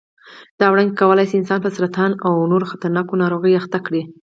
دا وړانګې کولای شي انسان په سرطان او نورو خطرناکو ناروغیو اخته کړي.